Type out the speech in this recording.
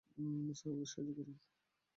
Sir, আমাদের সাহায্য করুন।